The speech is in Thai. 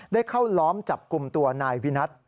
ได้เข้าล้อมจับกลุ่มตัวนายวินัท